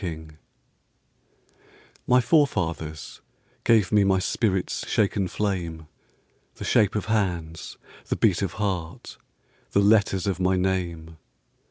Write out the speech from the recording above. Driftwood My forefathers gave me My spirit's shaken flame, The shape of hands, the beat of heart, The letters of my name.